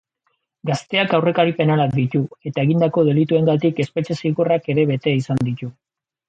Gazteak aurrekari penalak ditu, eta egindako delituengatik espetxe-zigorrak ere bete izan ditu.